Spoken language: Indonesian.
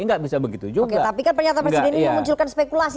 tapi kan pernyataan presiden ini munculkan spekulasi